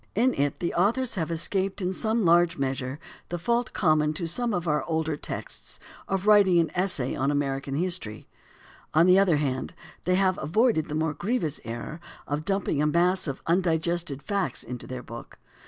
In it the authors have escaped in large measure the fault common to some of our older texts of writing an essay on American history; on the other hand they have avoided the more grievous error of dumping a mass of undigested facts into their book.